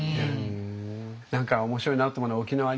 何か面白いなと思うのは沖縄に行ってね